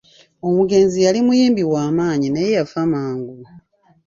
Omugenzi yali muyimbi wa maanyi naye yafa mangu.